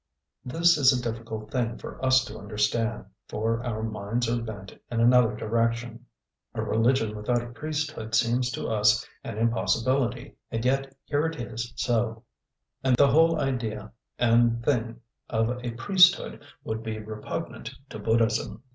This is a difficult thing for us to understand, for our minds are bent in another direction. A religion without a priesthood seems to us an impossibility, and yet here it is so. The whole idea and thing of a priesthood would be repugnant to Buddhism.